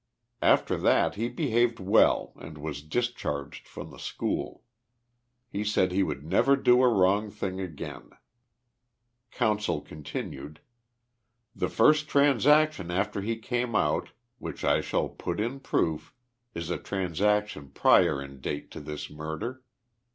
After that he behaved well and was discharged from the school. He said he would never do a wrong thing again. Counsel continued :" The first transaction after he came out, which I shall put in proof, is a transaction prior in date to this murder.